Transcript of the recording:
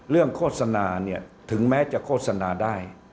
เรื่องโฆษณาถึงแม้จะโฆษณาได้